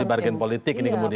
jadi bargain politik ini kemudian